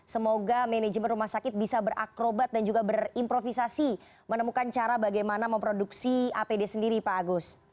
semoga manajemen rumah sakit bisa berakrobat dan juga berimprovisasi menemukan cara bagaimana memproduksi apd sendiri pak agus